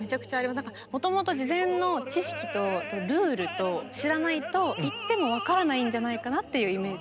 もともと事前の知識とルールとを知らないと行っても分からないんじゃないかなっていうイメージ。